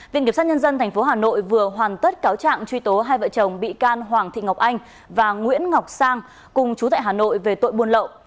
viện kiểm sát nhân dân tp hà nội vừa hoàn tất cáo trạng truy tố hai vợ chồng bị can hoàng thị ngọc anh và nguyễn ngọc sang cùng chú tại hà nội về tội buôn lậu